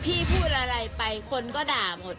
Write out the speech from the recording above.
พูดอะไรไปคนก็ด่าหมด